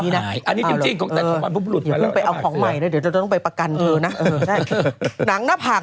ล่นอย่างตอนง่ายอย่างหนังด้วยแล้วเธอไปเอาไปจากไหน